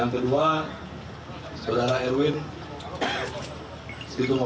yang kedua saudara erwin segitu semua